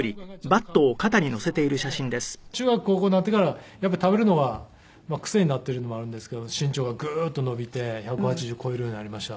中学高校になってからやっぱり食べるのは癖になっているのもあるんですけど身長がグーッと伸びて１８０超えるようになりました。